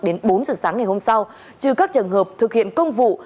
đến bốn giờ sáng ngày hôm sau trừ các trường hợp thực hiện công vụ